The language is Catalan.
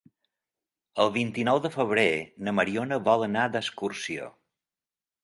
El vint-i-nou de febrer na Mariona vol anar d'excursió.